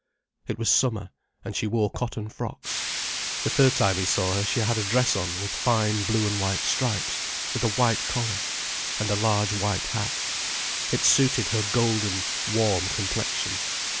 It was summer, and she wore cotton frocks. The third time he saw her she had on a dress with fine blue and white stripes, with a white collar, and a large white hat. It suited her golden, warm complexion.